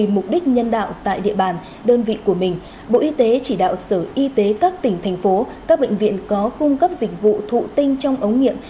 mục đích nhân đạo tại địa bàn đơn vị của mình bộ y tế chỉ đạo sở y tế các tỉnh thành phố các bệnh viện có cung cấp dịch vụ thụ tinh trong ống nghiệm